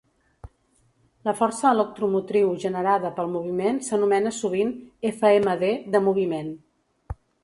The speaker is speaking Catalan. La força electromotriu generada pel moviment s'anomena sovint "FMD de moviment".